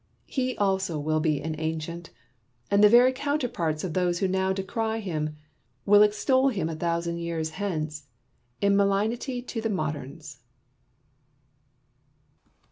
He also will be an ancient ; and the very counterparts of those who now decry him will extol him a thousand years hence in malignity to the moderns.